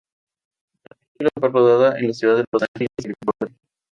La película fue rodada en la ciudad de Los Angeles, California.